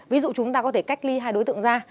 ví dụ chúng ta có thể cách ly hai đối tượng ra